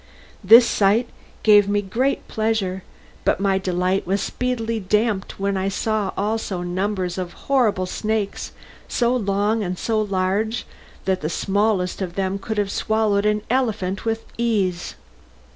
This sight gave me great pleasure, but my delight was speedily damped when I saw also numbers of horrible snakes so long and so large that the smallest of them could have swallowed an elephant with ease.